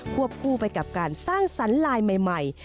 วบคู่ไปกับการสร้างสรรค์ลายใหม่